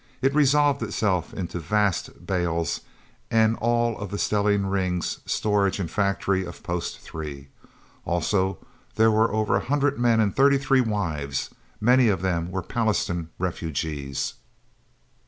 It resolved itself into vast bales, and all of the stellene rings storage and factory of Post Three. Also there were over a hundred men and thirty three wives. Many of them were Pallastown refugees.